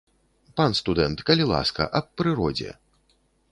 Пан студэнт, калі ласка, аб прыродзе.